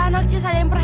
nah gitu itu juga